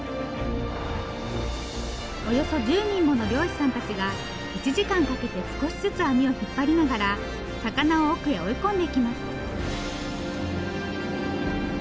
およそ１０人もの漁師さんたちが１時間かけて少しずつ網を引っ張りながら魚を奥へ追い込んでいきます。